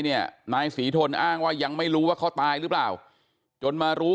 เนี่ยนายศรีทนอ้างว่ายังไม่รู้ว่าเขาตายหรือเปล่าจนมารู้